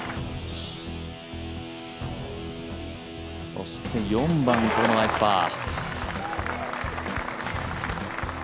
そして４番、これもナイスパー。